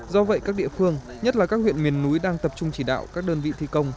do vậy các địa phương nhất là các huyện miền núi đang tập trung chỉ đạo các đơn vị thi công